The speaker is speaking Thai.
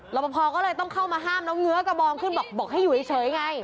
ประพอก็เลยต้องเข้ามาห้ามแล้วเงื้อกระบองขึ้นบอกให้อยู่เฉยไง